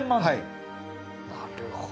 なるほどね。